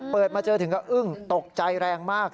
เปิดมาเจอถึงก็อึ้งตกใจแรงมาก